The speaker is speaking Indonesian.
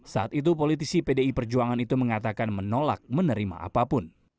saat itu politisi pdi perjuangan itu mengatakan menolak menerima apapun